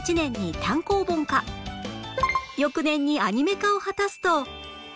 翌年にアニメ化を果たすと